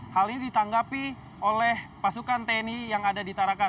hal ini ditanggapi oleh pasukan tni yang ada di tarakan